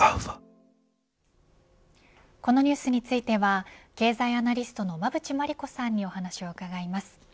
このニュースについては経済アナリストの馬渕磨理子さんにお話を伺います。